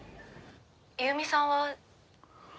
「優美さんは？」